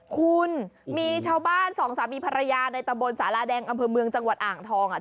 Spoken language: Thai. คุณมีชาวบ้านสองสามีภรรยาในตะบนสาราแดงอำเภอเมืองจังหวัดอ่างทองอ่ะ